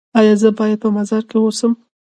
ایا زه باید په مزار کې اوسم؟